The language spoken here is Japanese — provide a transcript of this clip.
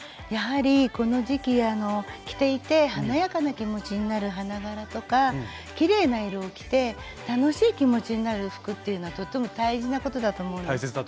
やはりこの時期着ていて華やかな気持ちになる花柄とかきれいな色を着て楽しい気持ちになる服っていうのはとっても大事なことだと思うんです。